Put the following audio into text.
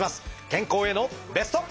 健康へのベスト。